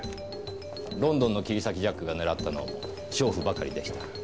ロンドンの切り裂きジャックが狙ったのは娼婦ばかりでした。